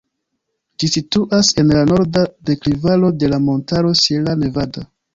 Ĝi situas en la norda deklivaro de la montaro Sierra Nevada.